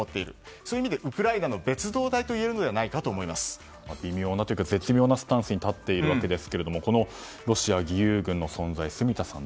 そういう意味でウクライナの別働隊といえるのではないかと絶妙なスタンスに立っているわけですがロシア義勇軍の存在